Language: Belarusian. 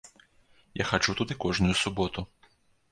Я хаджу туды кожную суботу.